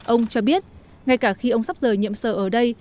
ông cho biết ngay cả khi ông sắp rời nhiệm sở ở đây